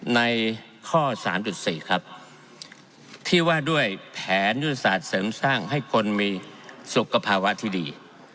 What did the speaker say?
ในข้อ๓๔ครับที่ว่าด้วยแผนยุทธศาสตร์เสริมสร้างให้คนมีสุขภาวะที่ดี